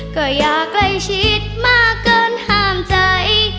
ก็อย่าใกล้ชิดมากเกินห้ามใจ